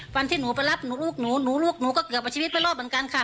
วันที่หนูไปรับหนูลูกหนูหนูลูกหนูก็เกือบเอาชีวิตไม่รอดเหมือนกันค่ะ